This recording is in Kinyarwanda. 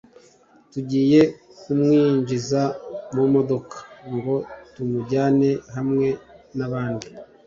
tugiye kumwinjiza mu modoka ngo tumujyane hamwe nabandi